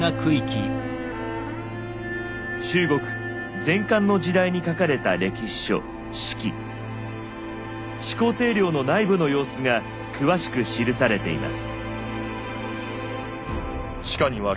中国前漢の時代に書かれた歴史書始皇帝陵の内部の様子が詳しく記されています。